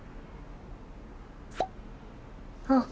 あっ！